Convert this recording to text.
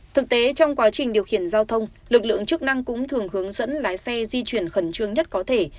thực tế trong quá trình điều khiển giao thông lực lượng chức năng cũng thường hướng dẫn lái xe di chuyển khẩn trương nhất có thể